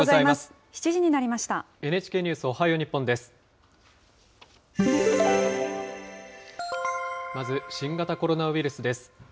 まず新型コロナウイルスです。